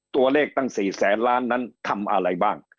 ตัวเลขตั้ง๔แสนล้านนั้นทำอะไรบ้าง